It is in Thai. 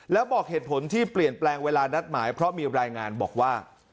แล้วบอกเหตุผลที่เปลี่ยนแปลงเวลานัดหมายเพราะมีรายงานบอกว่า